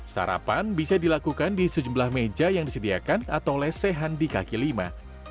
sarapan bisa dilakukan di sejumlah meja yang disediakan atau lesehan di kaki lima